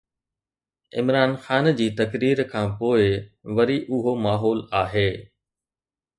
عمران خان جي تقرير کانپوءِ وري اهو ماحول آهي.